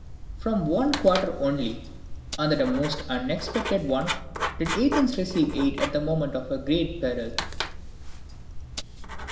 From one quarter only, and that a most unexpected one, did Athens receive aid at the moment of her great peril.